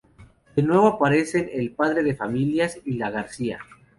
De nuevo aparecen el "Padre de Familias" y la "Gracia".